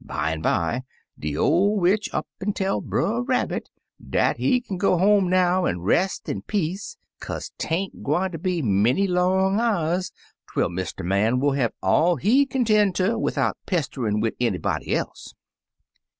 Bimeby, de ol* witch up an* tell Brer Rabbit dat he kin go home now an' rest in peace, kaze *tain*t gwineter be many long hours *fo* Mr. Man will have all he kin 'ten* ter widout pesterin* wid anybody else.